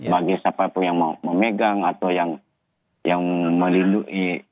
bagi siapapun yang mau memegang atau yang melindungi